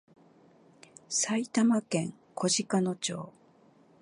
埼玉県小鹿野町